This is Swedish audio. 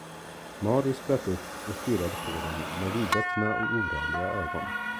Mari spratt upp och stirrade på dem med vidöppna och orörliga ögon.